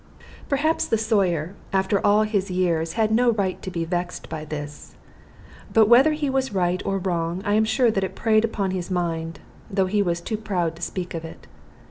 Perhaps the Sawyer, after all his years, had no right to be vexed by this. But whether he was right or wrong, I am sure that it preyed upon his mind, though he was too proud to speak of it.